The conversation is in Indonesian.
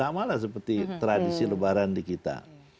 sama lah seperti tradisi lebaran di kita